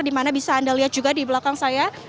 di mana bisa anda lihat juga di belakang saya